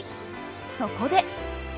そこで！